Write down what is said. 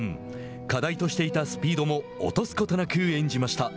課題としていたスピードも落とすことなく演じました。